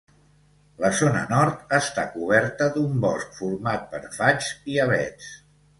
La zona nord està coberta d'un bosc format per faigs i avets.